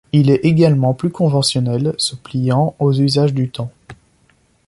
Il est également plus conventionnel, se pliant aux usages du temps.